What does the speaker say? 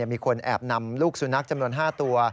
มีคนแอบนำลูกสุนัขจำนวน๕ตัว